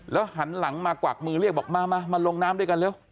หันหลังมากวักมือเรียกบอกมามาลงน้ำด้วยกันเร็ว